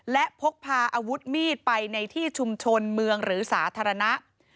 และพกพาอาวุธมีดไปในที่ชุมชนเมืองหรือสาธารณะ